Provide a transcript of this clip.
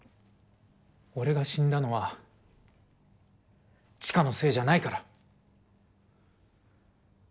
俺が死んだのは千佳のせいじゃないから。